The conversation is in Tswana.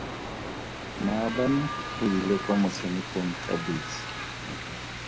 Maabane re ile kwa motshamekong ka bese.